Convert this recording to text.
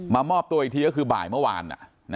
มอบตัวอีกทีก็คือบ่ายเมื่อวาน